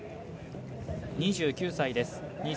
２９歳です。